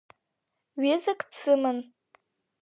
Ҩызак дсыман…